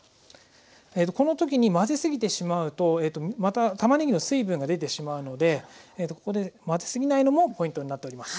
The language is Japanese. この時に混ぜすぎてしまうとまたたまねぎの水分が出てしまうのでここで混ぜすぎないのもポイントになっております。